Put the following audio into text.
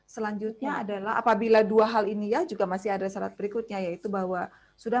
selanjutnya adalah apabila dua hal ini ya juga masih ada syarat berikutnya yaitu bahwa sudah